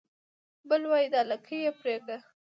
بل وای دا لکۍ يې پرې کړه